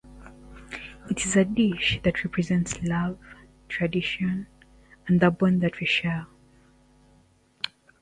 It is a dish that represents love, tradition, and the bond that we share.